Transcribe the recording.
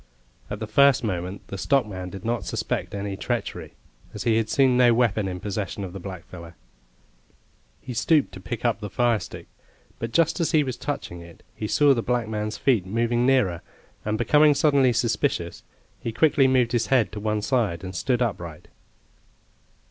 At the first moment the stockman did not suspect any treachery, as he had seen no weapon in possession of the blackfellow. He stooped to pick up the firestick; but just as he was touching it, he saw the black man's feet moving nearer, and becoming suddenly suspicious, he quickly moved his head to one side and stood upright.